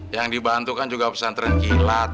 yang dibantu kan juga pesantren kilat